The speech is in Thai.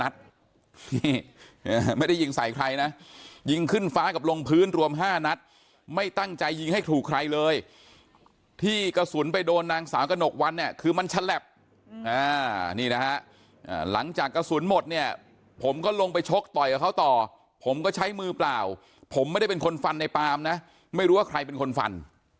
ที่กระสุนไปโดนนางสาวกระหนกวันเนี่ยคือมันชะแหลบนี่นะฮะหลังจากกระสุนหมดเนี่ยผมก็ลงไปชกต่อยกับเค้าต่อผมก็ใช้มือเปล่าผมไม่ได้เป็นคนฟันในปามนะไม่รู้ว่าใครเป็นคนฟัน